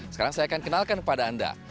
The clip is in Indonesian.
sekarang saya akan kenalkan kepada anda